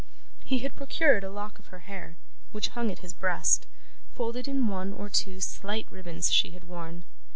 He had procured a lock of her hair, which hung at his breast, folded in one or two slight ribbons she had worn.